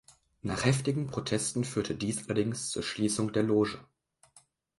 Nach heftigen Protesten führte dies allerdings zur Schließung der Loge.